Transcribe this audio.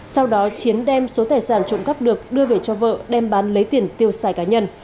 sau đó chiến đem số tài sản trộm cắp được đưa về cho vợ đem bán lấy tiền tiêu xài cá nhân